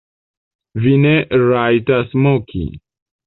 Vi ne rajtas moki!